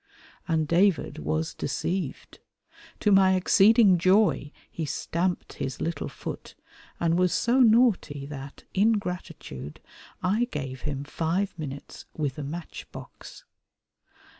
And David was deceived. To my exceeding joy he stamped his little foot, and was so naughty that, in gratitude, I gave him five minutes with a matchbox.